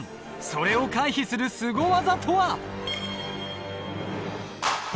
それを回避するスゴ技とは？